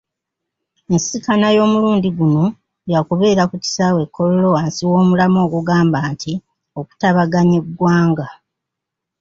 Ensisinkano y'omulundi guno yaakubeera ku kisaawe e Kololo wansi w'omulamwa ogugamba nti, “Okutabaganya eggwanga.”